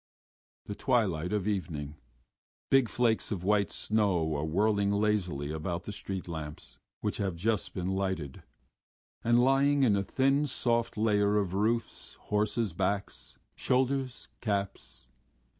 THE twilight of evening. Big flakes of wet snow are whirling lazily about the street lamps, which have just been lighted, and lying in a thin soft layer on roofs, horses' backs, shoulders, caps.